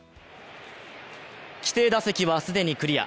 規定打席は、既にクリア。